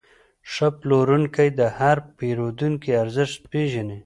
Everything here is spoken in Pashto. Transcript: ښه پلورونکی د هر پیرودونکي ارزښت پېژني.